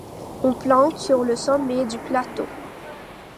On plante sur le sommet du plateau.